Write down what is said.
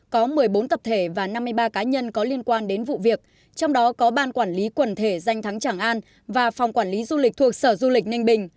có một mươi bốn tập thể và năm mươi ba cá nhân có liên quan đến vụ việc trong đó có ban quản lý quần thể danh thắng tràng an và phòng quản lý du lịch thuộc sở du lịch ninh bình